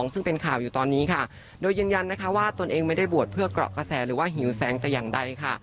ซึ่งเป็นข่าวอยู่ตอนนี้โดยยืนยันว่าตัวเองไม่ได้บวชเพื่อกรอกกระแสหรือหิวแซงแต่อย่างใด